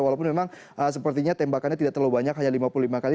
walaupun memang sepertinya tembakannya tidak terlalu banyak hanya lima puluh lima kali